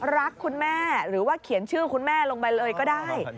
รักคุณแม่หรือว่าเขียนชื่อคุณแม่ลงไปเลยก็ได้